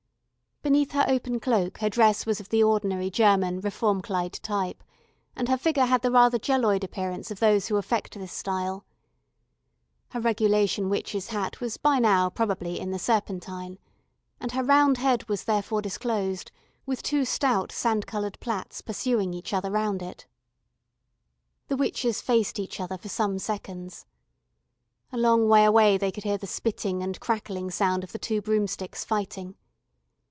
Beneath her open cloak her dress was of the ordinary German Reform Kleid type, and her figure had the rather jelloid appearance of those who affect this style. Her regulation witch's hat was by now, probably, in the Serpentine, and her round head was therefore disclosed, with two stout sand coloured plaits pursuing each other round it. The witches faced each other for some seconds. A long way away they could hear the spitting and crackling sound of the two broomsticks fighting.